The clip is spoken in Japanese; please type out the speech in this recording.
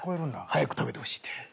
「早く食べてほしい」って。